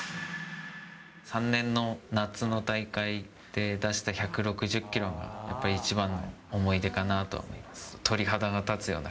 ３年の夏の大会で出した１６０キロがやっぱり一番の思い出かなと思います。